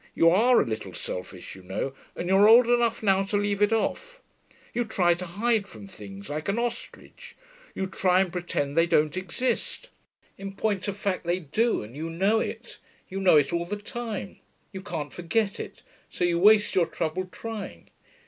You are a little selfish, you know, and you're old enough now to leave it off. You try to hide from things, like an ostrich. You try and pretend they don't exist. In point of fact, they do, and you know it. You know it all the time: you can't forget it, so you waste your trouble trying.